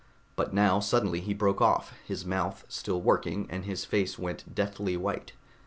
But now suddenly he broke off, his mouth still working, and his face went deathly white.